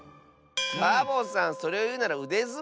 サボさんそれをいうならうでずもうでしょ。